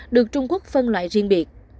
được trung quốc phân loại riêng biệt